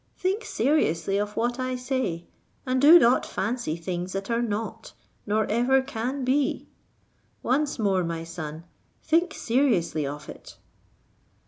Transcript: Think seriously of what I say, and do not fancy things that are not, nor ever can be. Once more, my son, think seriously of it."